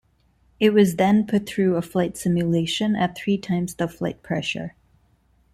It was then put through a flight simulation at three times the flight pressure.